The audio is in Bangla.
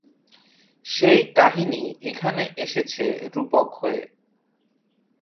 সেই কাহিনি এখানে এসেছে রূপক হয়ে।